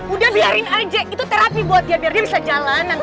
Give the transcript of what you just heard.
udah biarin aja itu terapi buat dia biar dia bisa jalanan